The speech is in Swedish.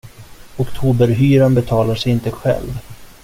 Oktoberhyran betalar sig inte själv.